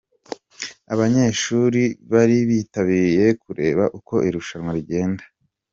Abanyeshuri bari bitabiriye kureba uko irushanwa rigenda.